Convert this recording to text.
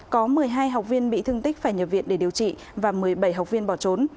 có một mươi hai học viên bị thương tích phải nhập viện để điều trị và một mươi bảy học viên bỏ trốn